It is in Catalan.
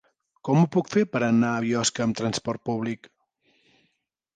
Com ho puc fer per anar a Biosca amb trasport públic?